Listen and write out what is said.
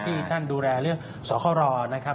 ที่ท่านดูแลเรื่องสครอนะครับ